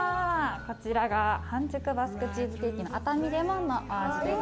こちらが半熟バスクチーズケーキの熱海レモンのお味です。